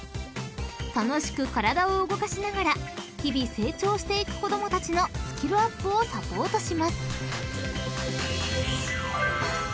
［楽しく体を動かしながら日々成長していく子供たちのスキルアップをサポートします］